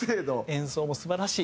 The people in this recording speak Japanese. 演奏も素晴らしい。